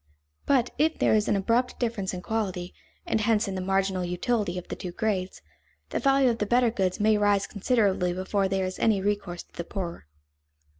But if there is an abrupt difference in quality, and hence in the marginal utility of the two grades, the value of the better goods may rise considerably before there is any recourse to the poorer.